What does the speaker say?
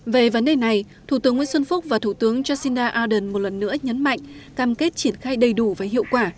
về vấn đề này thủ tướng nguyễn xuân phúc và thủ tướng jacinda ardern một lần nữa nhấn mạnh cam kết triển khai đầy đủ và hiệu quả